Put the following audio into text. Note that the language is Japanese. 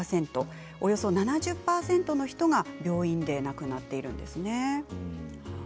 およそ７０％の人が病院で亡くなっているんですね。